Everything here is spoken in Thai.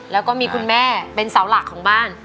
แล้วก็มีคุณแม่เป็นเสาหลักของบ้าน